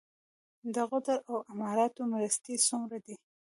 د قطر او اماراتو مرستې څومره دي؟